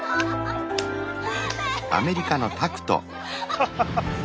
ハハハハ！